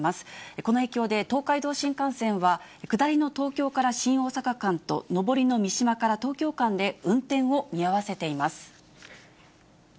この影響で、東海道新幹線は下りの東京から新大阪間と、上りの三島から東京間で運転を見合わせています。